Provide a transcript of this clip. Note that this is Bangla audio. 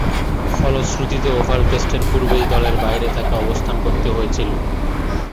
ফলশ্রুতিতে ওভাল টেস্টের পূর্বেই দলের বাইরে তাকে অবস্থান করতে হয়েছিল।